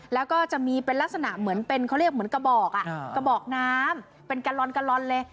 แล้วก็จะมีเป็นลักษณะเกือบเบาะเป็นการ์ลอนเลย